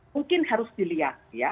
mungkin harus dilihat ya